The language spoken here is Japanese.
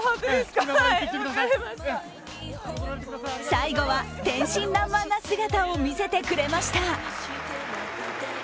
最後は天真らんまんな姿を見せてくれました。